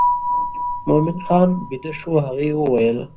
مومن خان بېده شو هغې وویل.